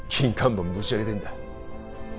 板ぶち上げてえんだ